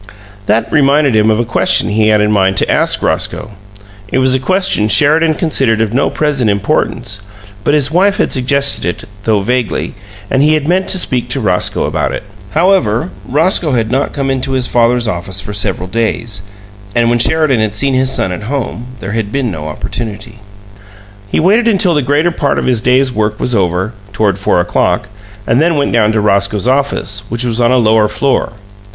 That reminded him of a question he had in mind to ask Roscoe. It was a question Sheridan considered of no present importance, but his wife had suggested it though vaguely and he had meant to speak to Roscoe about it. However, Roscoe had not come into his father's office for several days, and when Sheridan had seen his son at home there had been no opportunity. He waited until the greater part of his day's work was over, toward four o'clock, and then went down to Roscoe's office, which was on a lower floor.